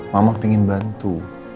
mama pengen bantu